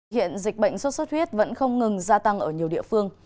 hiện dịch bệnh sốt xuất huyết vẫn không ngừng gia tăng ở nhiều địa phương